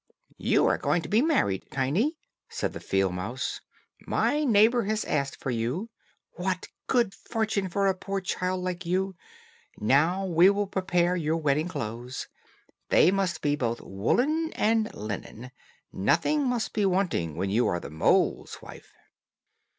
"You are going to be married, Tiny," said the field mouse. "My neighbor has asked for you. What good fortune for a poor child like you. Now we will prepare your wedding clothes. They must be both woollen and linen. Nothing must be wanting when you are the mole's wife."